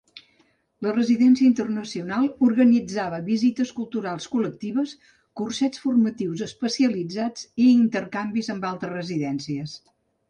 La Residència Internacional organitzava visites culturals col·lectives, cursets formatius especialitzats i intercanvis amb altres residències.